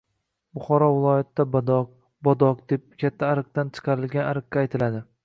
Buxoro viloyatida badoq, bodoq deb katta ariqdan chiqarilgan ariqqa aytiladi.